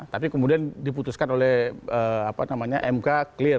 tapi kemudian diputuskan oleh mk clear